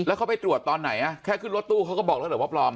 แล้วเขาไปตรวจตอนไหนแค่ขึ้นรถตู้เขาก็บอกแล้วเหรอว่าปลอม